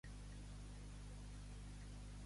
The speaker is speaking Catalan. On ha anat Puigdemont?